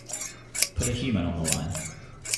Put a human on the line.